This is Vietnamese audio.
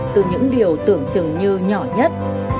từ những điều tưởng chừng như nhỏ nhất